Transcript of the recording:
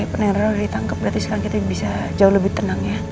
penerima sudah ditangkap berarti sekarang kita bisa jauh lebih tenang ya